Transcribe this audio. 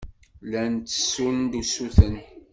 Llan ttessun-d usuten.